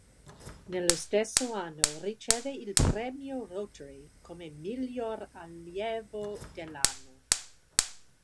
Nello stesso anno riceve il premio Rotary come "Miglior allievo dell'anno".